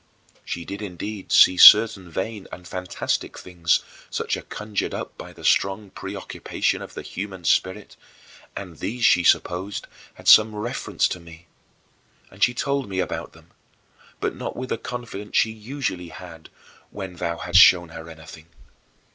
She did, indeed, see certain vain and fantastic things, such as are conjured up by the strong preoccupation of the human spirit, and these she supposed had some reference to me. And she told me about them, but not with the confidence she usually had when thou hadst shown her anything.